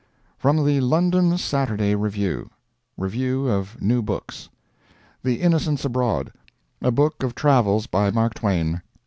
] [From the London Saturday Review] REVIEWS OF NEW BOOKS. THE INNOCENTS ABROAD. A Book of Travels By Mark Twain.